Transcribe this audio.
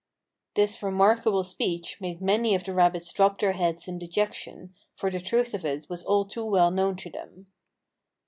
This remarkable speech made many of the rabbits drop their heads in dejection, for the truth of it was all too well known to them.